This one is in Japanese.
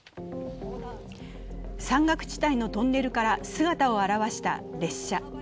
山岳地帯のトンネルから姿を現した列車。